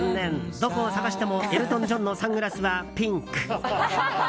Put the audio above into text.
どこを探してもエルトン・ジョンのサングラスはピンク。